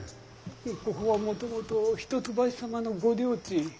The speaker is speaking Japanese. ここはもともと一橋様のご領地。